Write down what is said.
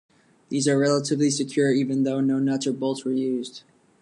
These are relatively secure even though no nuts or bolts were used.